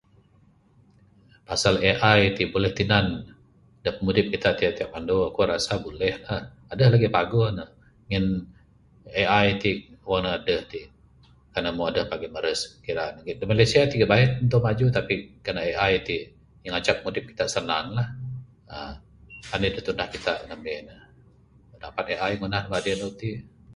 Asal AI ti buleh tinan da pimudip kita ti tiap andu, ku rasa buleh la. Adeh lagih paguh ne, ngin Ai ti wang ne adeh ti. Kan ne adeh pagi meret da Malaysia ti bayuh tentu maju. Kan AI ti ngancak mudip kita sanang la. Anih da tunah kita ngamin ne, dapat AI ngunah ne madi andu iti.